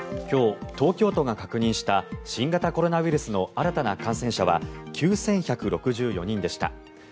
今日、東京都が確認した新型コロナウイルスの新たな感染者は９１６４人でした。